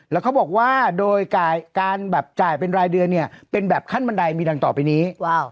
แล้วเขาบอกว่าโดยการแบบจ่ายเป็นรายเดือนเนี่ยเป็นแบบขั้นบันไดมีดังต่อไปนี้